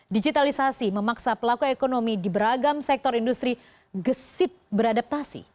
digitalisasi memaksa pelaku ekonomi di beragam sektor industri gesit beradaptasi